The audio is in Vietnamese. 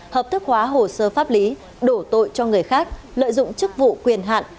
hợp thức hóa hồ sơ pháp lý đổ tội cho người khác lợi dụng chức vụ quyền hạn